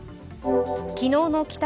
昨日の帰宅